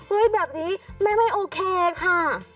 แบบนี้แม่ไม่โอเคค่ะ